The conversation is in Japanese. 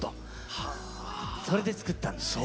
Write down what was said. それで作ったんですね。